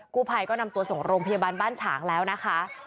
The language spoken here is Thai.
กู้ภัยก็นำตัวส่งโรงพยาบาลบ้านฉางแล้วนะคะ